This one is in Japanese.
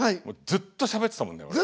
もうずっとしゃべってたもんね